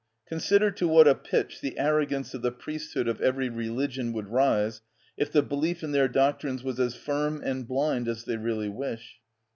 Consider to what a pitch the arrogance of the priesthood of every religion would rise if the belief in their doctrines was as firm and blind as they really wish.